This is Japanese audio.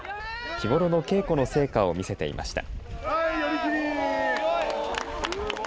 日頃の稽古の成果を見せていました。